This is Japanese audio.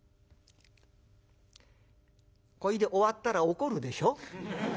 これで終わったら怒るでしょ？